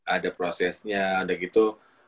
ada prosesnya ada gitu